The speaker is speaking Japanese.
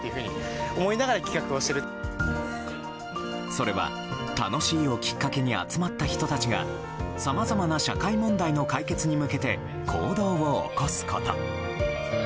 それは、楽しいをきっかけに集まった人たちがさまざまな社会問題の解決に向けて行動を起こすこと。